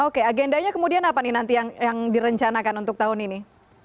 oke agendanya kemudian apa nih nanti yang direncanakan untuk tahun ini